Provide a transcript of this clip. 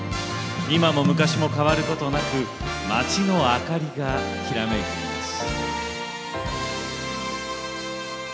今も昔も変わることなく街の灯りがきらめいています。